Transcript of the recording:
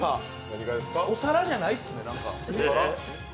お皿じゃないっすね。